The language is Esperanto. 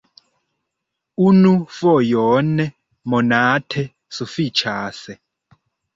Unu fojon monate sufiĉas!